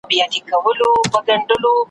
چي جنګ سوړ سو میری تود سو ,